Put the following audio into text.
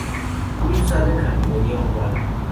Muy usado en jardinería urbana.